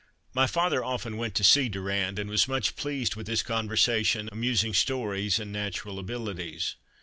My father often went to see Durand, and was much pleased with his conversation, amusing stories, and natural abilities.